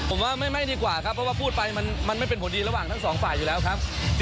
ผมว่าไม่ดีกว่าครับเพราะว่าพูดไปมันไม่เป็นผลดีระหว่างทั้งสองฝ่ายอยู่แล้วครับ